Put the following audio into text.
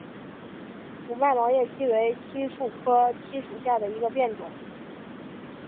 五脉毛叶槭为槭树科槭属下的一个变种。